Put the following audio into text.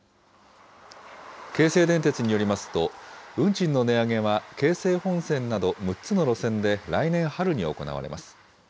京成電鉄によりますと、運賃の値上げは京成本線など６つの路線で、来年春に行われます。